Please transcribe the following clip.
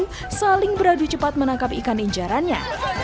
peserta berjibaku saling beradu cepat menangkap ikan incarannya